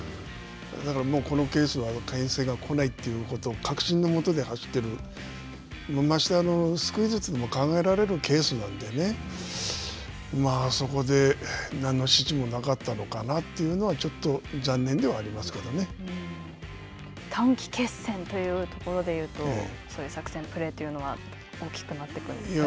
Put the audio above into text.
だから、このケースはけん制が来ない確信のもとで走っている、まして、スクイズも考えられるケースなのでね、そこで何の指示もなかったのかなというのは、ちょっと残念ではあ短期決戦というところでいうと、そういう作戦、プレーというのは大きくなってくるんですか。